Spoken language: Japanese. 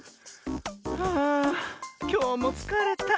はあきょうもつかれた。